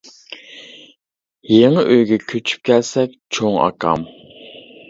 يېڭى ئۆيگە كۆچۈپ كەلسەك چوڭ ئاكام.